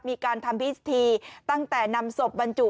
มีการทำพิธีตั้งแต่นำศพบรรจุ